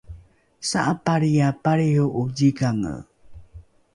sa’apalriae palriho’o zikange